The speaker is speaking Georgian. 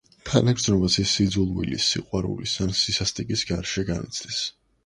თანაგრძნობას ის სიძულვილის, სიყვარულის ან სისასტიკის გარეშე განიცდის.